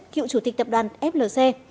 cựu chủ tịch tập đoàn flc